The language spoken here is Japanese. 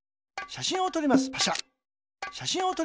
しゃしんをとります。